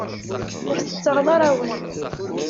Ur tettaɣeḍ ara awal.